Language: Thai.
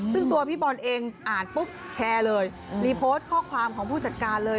ซึ่งตัวพี่บอลเองอ่านปุ๊บแชร์เลยมีโพสต์ข้อความของผู้จัดการเลย